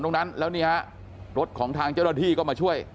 ตรงนั้นแล้วนี่ฮะรถของทางเจ้าหน้าที่ก็มาช่วย